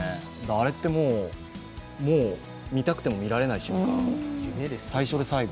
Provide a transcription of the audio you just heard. あれってもう、見たくても見られない瞬間、最初で最後。